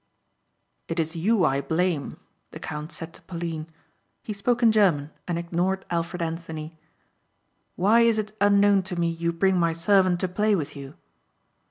"It is you I blame," the count said to Pauline. He spoke in German and ignored Alfred Anthony. "Why is it unknown to me you bring my servant to play with you?"